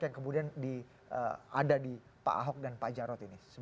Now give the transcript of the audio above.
yang kemudian ada di pak ahok dan pak jarod ini